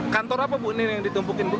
kantor apa bu nini yang ditumpukin bu